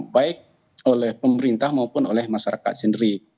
baik oleh pemerintah maupun oleh masyarakat sendiri